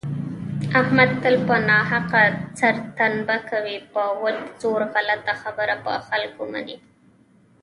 احمد تل په ناحقه سرتنبه کوي په وچ زور غلطه خبره په خلکو مني.